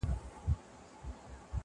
چي زاغان مي خوري ګلشن او غوټۍ ورو ورو؛